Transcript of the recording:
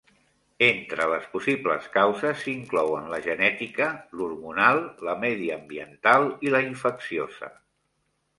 Entre les possibles causes s'inclouen la genètica, l'hormonal, la mediambiental i la infecciosa.